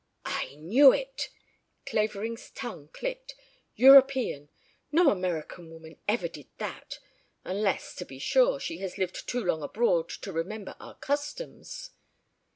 "I knew it!" Clavering's tongue clicked. "European. No American woman ever did that unless, to be sure, she has lived too long abroad to remember our customs."